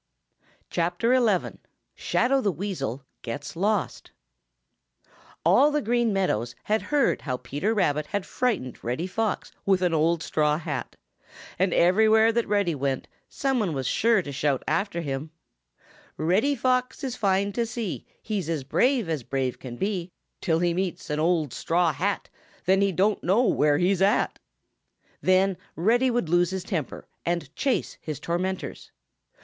XI. SHADOW THE WEASEL GETS LOST |ALL the Green Meadows had heard how Peter Rabbit had frightened Reddy Fox with an old straw hat, and everywhere that Reddy went some one was sure to shout after him: "Reddy Fox is fine to see; He's as brave as brave can be 'Til he meets an old straw hat, Then he don't know where he's at!" Then Reddy would lose his temper and chase his tormentors.